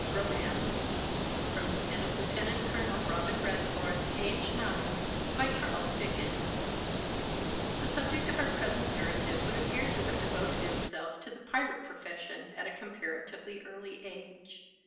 ROMANCE. FROM THE PEN OF LIEUT. COL. ROBIN REDFORTH THE subject of our present narrative would appear to have devoted himself to the pirate profession at a comparatively early age.